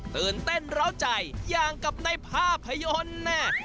ตื่นเต้นร้าวใจอย่างกับในภาพยนตร์แน่